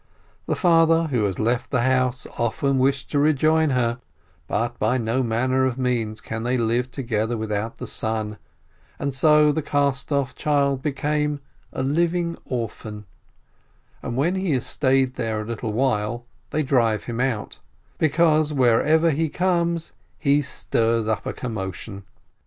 The father, who has left the house, often wished to rejoin her, but by no manner of means can they live together without the son, and so the cast off child became a "living orphan"; he roams about in the wide world, comes to a place, and when he has stayed there a little while, they drive him out, because wherever he comes, he stirs up a commotion.